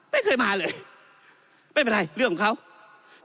ไม่เคยมาเลยไม่เป็นไรเรื่องของเขา